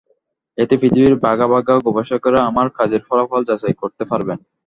এতে পৃথিবীর বাঘা বাঘা গবেষকেরা আমার কাজের ফলাফল যাচাই করতে পারবেন।